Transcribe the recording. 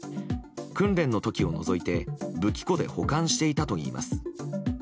訓練の時を除いて武器庫で保管していたといいます。